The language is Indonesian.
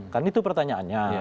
kan itu pertanyaannya